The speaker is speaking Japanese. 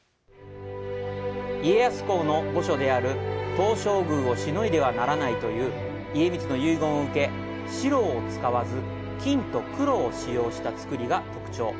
家康公の墓所である東照宮をしのいではならないという遺言を受け、白を使わず、金と黒を使用した造りが特徴。